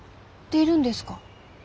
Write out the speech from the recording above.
出るんですか？